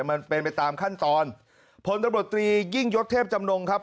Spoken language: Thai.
มันเป็นไปตามขั้นตอนผลตำรวจตรียิ่งยศเทพจำนงครับ